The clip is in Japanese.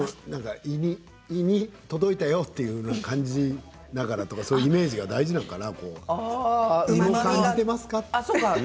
胃に届いたよと感じながらとかそういうイメージが大事なのかな。